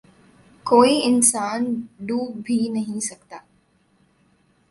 کوئی انسان ڈوب بھی نہیں سکتا